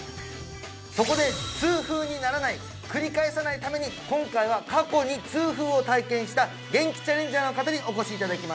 そこで痛風にならない繰り返さないために今回は過去に痛風を体験したゲンキチャレンジャーの方にお越しいただきました